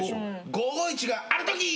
「５５１があるとき」